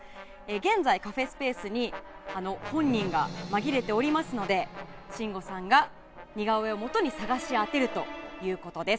現在、カフェスペースに本人が紛れておりますので信五さんが似顔絵をもとに捜し当てるということです。